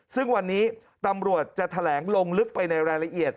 ซึ่งวันนี้ตำรวจจะแถลงลงลึกไปในรายละเอียด